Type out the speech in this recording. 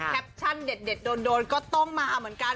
แคปชั่นเด็ดโดนก็ต้องมาเหมือนกัน